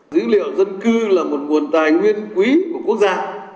dữ liệu dân cư là một nguồn tài nguyên quý của quốc gia